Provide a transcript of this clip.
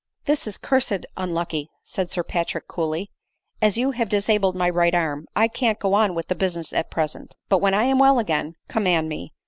" This is cursed unlucky," said Sir Patrick coolly; " as you have disabled my right arm I can't go on with this business at present ; but when I am well again, com mand me.